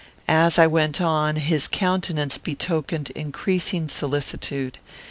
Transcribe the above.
As I went on, his countenance betokened increasing solicitude.